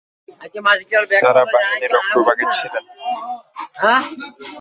তারা বাহিনীর অগ্রভাগে ছিলেন।